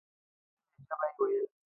په خپله لهجه به یې ویل.